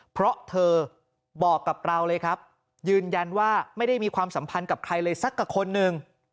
เพราะเธอบอกกับเราเลยครับยืนยันว่าไม่ได้มีความสัมพันธ์กับใครเลยสักกับคนหนึ่ง